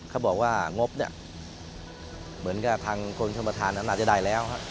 เขาบอกว่างบทเนี่ยเหมือนกับทางกลุ่มชมภาษณ์นั้นอาจจะได้แล้ว